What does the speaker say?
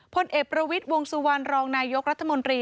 พลเอกประวิทย์วงสุวรรณรองนายกรัฐมนตรี